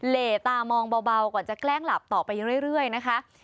เหลตามองเบาก่อนจะแกล้งหลับต่อไปเรื่อยนะคะ